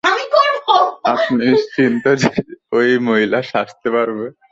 আপনি নিশ্চিত যে ও, এই মহিলা সাজতে পারবে?